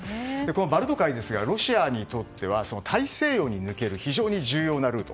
バルト海ですがロシアにとっては大西洋に向ける非常に重要なルート